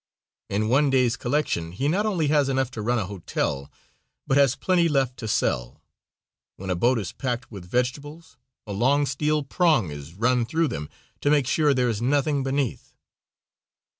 In one day's collection he not only has enough to run a hotel but has plenty left to sell. When a boat is packed with vegetables a long steel prong is run through them to make sure there is nothing beneath.